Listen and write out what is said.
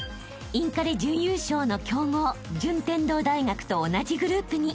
［インカレ準優勝の強豪順天堂大学と同じグループに］